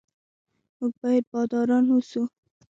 موږ باید باداران اوسو.